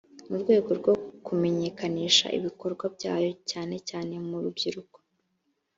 mu rwego rwo kumenyekanisha ibikorwa byayo cyane cyane mu rubyiruko